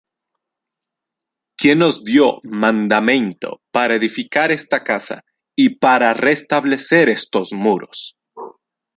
¿Quién os dió mandameinto para edificar esta casa, y para restablecer estos muros?